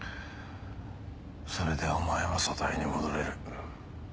それでお前は組対に戻れる。